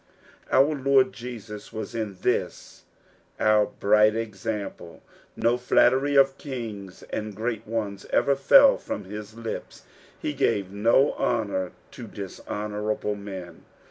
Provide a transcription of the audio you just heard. Our Lord Jesus was in this our bright ex ample. No flattery of kings and great ones ever fell from his lips ; he gave no honour to dishonourable men.